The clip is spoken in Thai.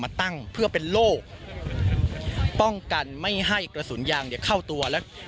มาตั้งเพื่อเป็นโลกป้องกันไม่ให้กระสุนยางเนี่ยเข้าตัวแล้ว